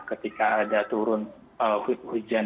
ketika ada turun hujan